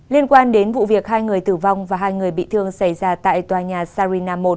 liên quan đến vụ việc hai người tử vong và hai người bị thương xảy ra tại tòa nhà sarina một